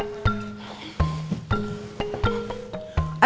aku mau pulang